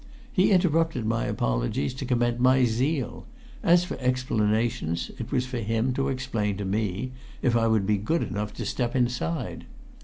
He interrupted my apologies to commend my zeal; as for explanations, it was for him to explain to me, if I would be good enough to step inside.